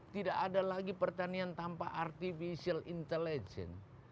tidak ada lagi pertanian tanpa artificial intelligence